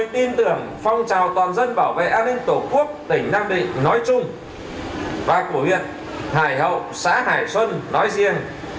tôi tin tưởng phong trào toàn dân bảo vệ an ninh tổ quốc tỉnh nam định nói chung và của huyện hải hậu xã hải xuân nói riêng